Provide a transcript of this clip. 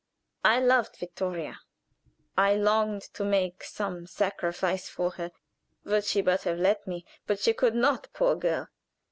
I loved Vittoria: I longed to make some sacrifice for her, would she but have let me. But she could not; poor girl!